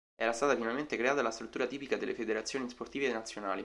Era stata finalmente creata la struttura tipica delle Federazioni Sportive Nazionali.